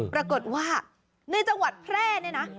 ปรากฏว่าในจังหวัดแพร่เนี่ยนะ